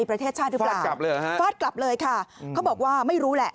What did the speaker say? ฟาดกลับเลยค่ะเขาบอกว่าไม่รู้แหละ